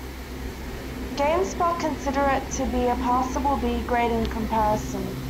GameSpot considered it to be a "passable" B-grade, in comparison.